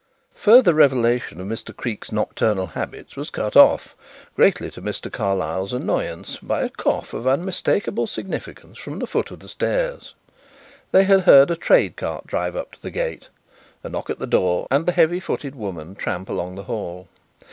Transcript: Further revelation of Mr. Creake's nocturnal habits was cut off, greatly to Mr. Carlyle's annoyance, by a cough of unmistakable significance from the foot of the stairs. They had heard a trade cart drive up to the gate, a knock at the door, and the heavy footed woman tramp along the hall.